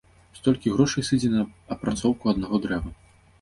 Столькі грошай сыдзе на апрацоўку аднаго дрэва.